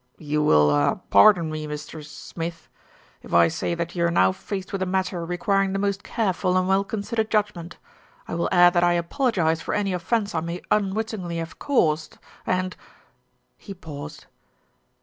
"You will, er pardon me, Mr. er Smith, if I say that you are now faced with a matter requiring the most careful and well considered judgment. I will add that I apologise for any offence I may unwittingly have caused, and " He paused.